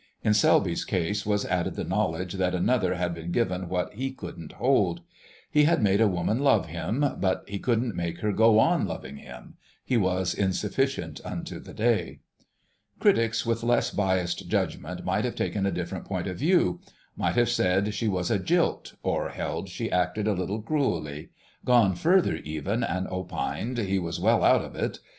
In Selby's case was added the knowledge that another had been given what he couldn't hold. He had made a woman love him, but he couldn't make her go on loving him.... He was insufficient unto the day. Critics with less biassed judgment might have taken a different point of view: might have said she was a jilt, or held she acted a little cruelly: gone further, even, and opined he was well out of it.